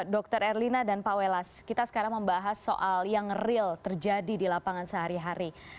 dr erlina dan pak welas kita sekarang membahas soal yang real terjadi di lapangan sehari hari